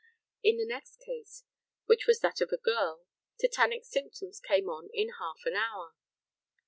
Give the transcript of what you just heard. In the next case, which was that of a girl, "tetanic symptoms came on in half an hour."